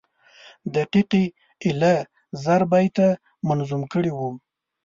دقیقي ایله زر بیته منظوم کړي وو.